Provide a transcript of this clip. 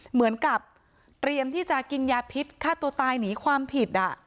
เหมือนกับเตรียมที่จะกินยาพิษฆ่าตัวตายหนีความผิด